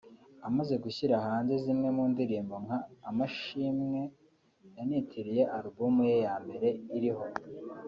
amaze gushyira hanze zimwe mu ndirimbo nka ‘Amashimwe’ yanitiriye Album ye ya mbere iriho